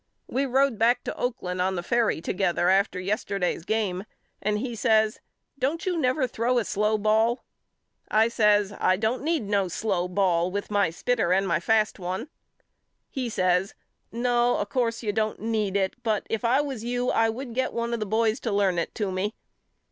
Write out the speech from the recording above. We road back to Oak land on the ferry together after yesterday's game and he says Don't you never throw a slow ball^ I says I don't need no slow ball with my spitter and my fast one. He says No of course you don't need it but if I was you I would get one of the boys to learn it to me.